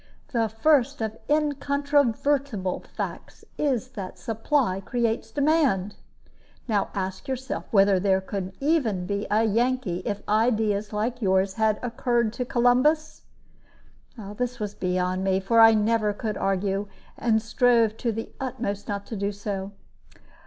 The first of incontrovertible facts is that supply creates demand. Now ask yourself whether there could even be a Yankee if ideas like yours had occurred to Columbus?" This was beyond me; for I never could argue, and strove to the utmost not to do so.